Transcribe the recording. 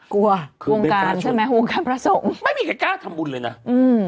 วงการใช่ไหมวงการพระสงฆ์ไม่มีใครกล้าทำบุญเลยนะอืม